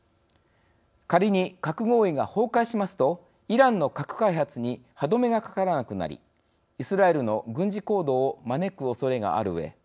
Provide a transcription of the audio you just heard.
仮に「核合意」が崩壊しますとイランの核開発に歯止めがかからなくなりイスラエルの軍事行動を招くおそれがあるうえ